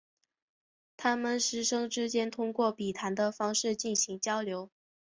他们师生之间通过笔谈的方式进行交流。